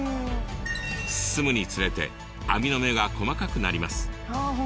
進むにつれて網の目が細かくなります。